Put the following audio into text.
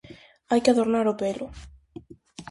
Hai que adornar o pelo.